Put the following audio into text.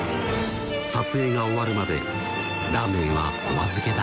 撮影が終わるまでラーメンはお預けだ